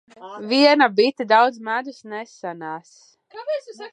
Viena bite daudz medus nesanes.